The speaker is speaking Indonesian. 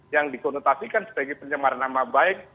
yang dikonotasikan sebagai pencemaran nama baik